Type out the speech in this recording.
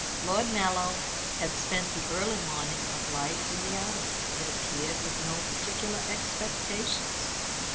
Lord Mallow had spent the early morning of life in the army, it appeared, with no particular expectations.